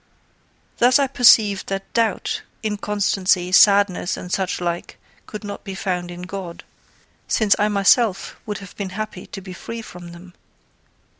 Thus I perceived that doubt, inconstancy, sadness, and such like, could not be found in God, since I myself would have been happy to be free from them.